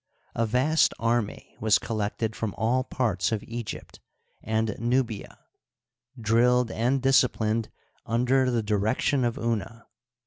A vast army was collected from all parts of Egypt and Nubia, drilled and disciplined under the direction of Una.